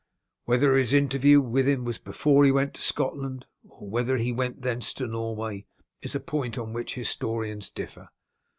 Whether his interview with him was before he went to Scotland or whether he went thence to Norway is a point on which historians differ.